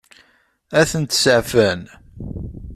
Ad tent-seɛfen?